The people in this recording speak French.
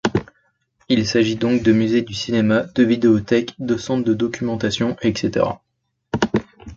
Il s'agit donc de musée du cinéma, de vidéothèques, de centres de documentation, etc.